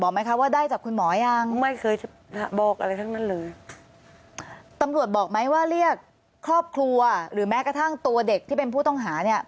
ค่ะเขดไหมส่งข้อความมน้อง